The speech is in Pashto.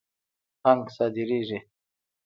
هنګ صادریږي.